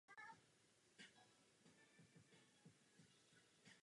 Potřebujeme vyváženější partnerství s lepší koordinací akcí a silnější spoluprací.